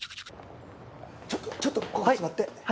ちょっとちょっとここ座って。